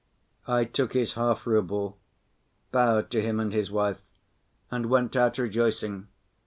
I took his half‐rouble, bowed to him and his wife, and went out rejoicing.